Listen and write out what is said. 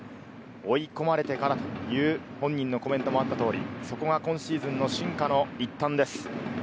追い込まれてからという本人のコメントもあった通り、そこが今シーズンの進化の一端です。